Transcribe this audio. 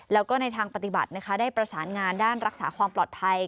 แล้วก็ในทางปฏิบัตินะคะได้ประสานงานด้านรักษาความปลอดภัย